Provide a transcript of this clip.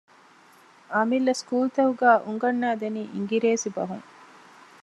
އަމިއްލަ ސްކޫލުތަކުގައި އުނގަންނައިދެނީ އިނގިރޭސި ބަހުން